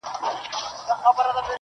عجب راگوري د خوني سترگو څه خون راباسـي.